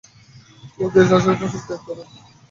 কেউ-কেউ, চাষের ফসল ত্যাগ করেছেন।